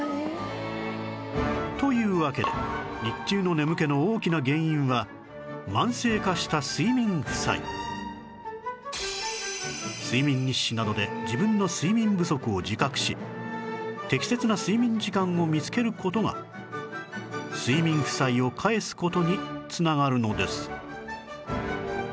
というわけで睡眠日誌などで自分の睡眠不足を自覚し適切な睡眠時間を見つける事が睡眠負債を返す事に繋がるのです